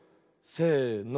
せの。